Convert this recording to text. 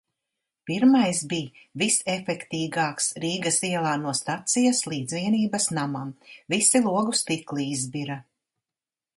Pirmais bij visefektīgāks Rīgas ielā no stacijas līdz Vienības namam, visi logu stikli izbira.